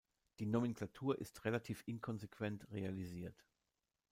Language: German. Die Nomenklatur ist relativ inkonsequent realisiert.